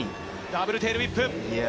ダブルテールウィップ。